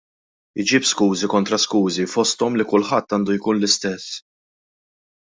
Iġib skużi kontra skużi, fosthom li kulħadd għandu jkun l-istess.